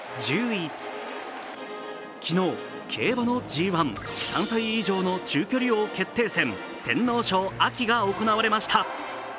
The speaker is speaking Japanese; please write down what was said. １０位、昨日、競馬のＧⅠ３歳以上の中距離王決定戦、天皇賞・秋が行われました。